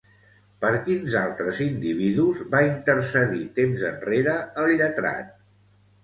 Per quins altres individus va intercedir temps enrere el lletrat?